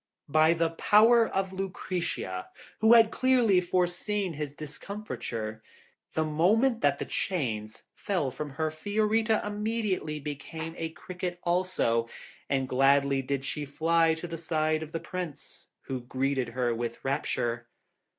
By the power of Lucretia, who had clearly foreseen his discomforture, the moment that the chains fell from her Fiorita immediately became a cricket also, and gladly did she fly to the side of the Prince, who greeted her with rapture.